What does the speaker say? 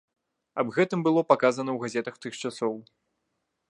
Аб гэтым было паказана ў газетах тых часоў.